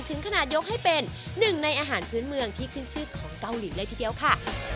ถึงขนาดยกให้เป็นหนึ่งในอาหารพื้นเมืองที่ขึ้นชื่อของเกาหลีเลยทีเดียวค่ะ